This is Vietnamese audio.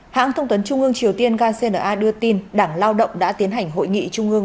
hãng thông tuấn trung ương triều tiên kcna đưa tin đảng lao động đã tiến hành hội nghị trung ương